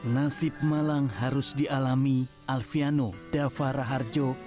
nasi malang harus dialami alfiano davara harjo